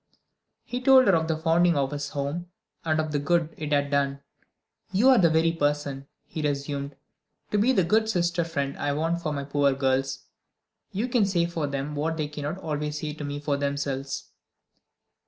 He told her of the founding of his Home and of the good it had done. "You are the very person," he resumed, "to be the good sister friend that I want for my poor girls: you can say for them what they cannot always say to me for themselves."